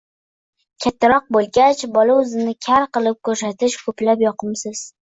Kattaroq bo‘lgach, bola o‘zini kar qilib ko‘rsatish ko‘plab yoqimsiz